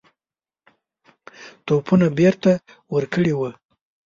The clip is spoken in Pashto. توپونه بیرته ورکړي وه.